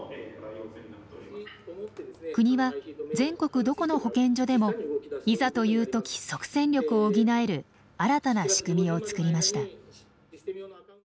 国は全国どこの保健所でもいざという時即戦力を補える新たな仕組みを作りました。